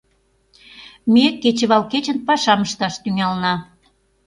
Ме кечывал кечын пашам ышташ тӱҥалына.